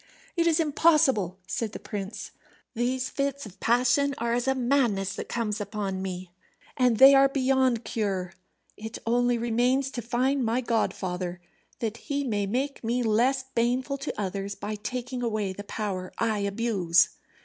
"It is impossible," said the prince. "These fits of passion are as a madness that comes upon me, and they are beyond cure. It only remains to find my godfather, that he may make me less baneful to others by taking away the power I abuse."